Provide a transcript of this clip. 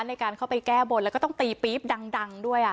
ในการเข้าไปแก้บนแล้วก็ต้องตีปี๊บดังด้วย